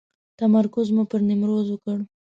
تمرکز مو پر نیمروز وکړ.